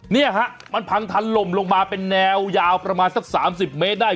เนี่ยฮะมันพังทันลมลงมาเป็นแนวยาวประมาณสัก๓๐เมตรได้